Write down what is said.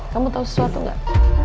kamu tahu sesuatu gak